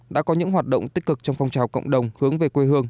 đã có những hoạt động tích cực trong phong trào cộng đồng hướng về quê hương